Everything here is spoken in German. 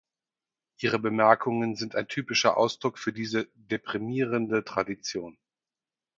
Ihre Bemerkungen sind ein typischer Ausdruck für diese deprimierende Tradition.